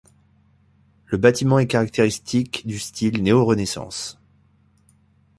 Le bâtiment est caractéristique du style néorenaissance.